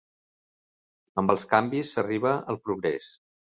Amb els canvis s'arriba al progrés.